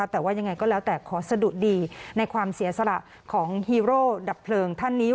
แต่ว่ายังไงก็แล้วแต่ขอสะดุดีในความเสียสละของฮีโร่ดับเพลิงท่านนี้